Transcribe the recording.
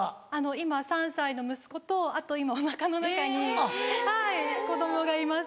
今３歳の息子とあと今お腹の中に子供がいます。